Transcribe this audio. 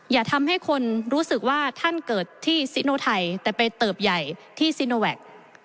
อย่าทำให้คนรู้สึกว่าท่านเกิดที่ซิโนไทยแต่ไปเติบใหญ่ที่ซิโนแวค